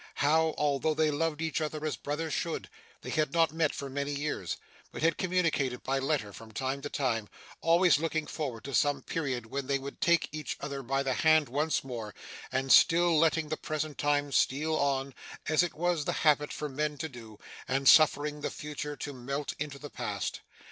How, although they loved each other as brothers should, they had not met for many years, but had communicated by letter from time to time, always looking forward to some period when they would take each other by the hand once more, and still letting the Present time steal on, as it was the habit for men to do, and suffering the Future to melt into the Past.